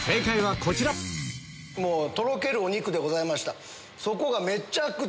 とろけるお肉でございました。